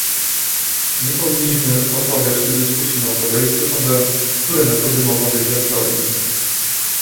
Nie powinniśmy osłabiać dyskusji naukowej przesądzając, które metody mogą być lepsze od innych